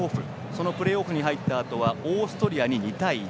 そのプレーオフに入ったあとはオーストリアに２対１。